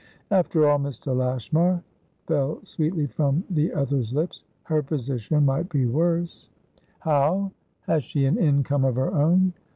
"After all, Mr. Lashmar," fell sweetly from the other's lips, "her position might be worse." "How? Has she an income of her own?"